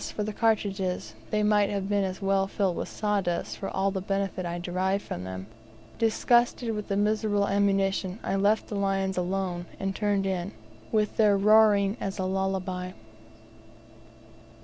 for the cartridges, they might have been as well filled with sawdust for all the benefit I derived from them. Disgusted with the miserable ammunition, I left the lions alone, and turned in, with their roaring as a lullaby.